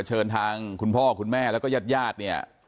เชิญทางคุณพ่อคุณแม่และก็ยดยาดเนี้ย